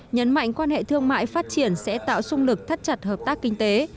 nhấn mạnh quan hệ thương mại phát triển sẽ tạo sung lực thắt chặt hợp tác kinh tế